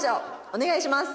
お願いします。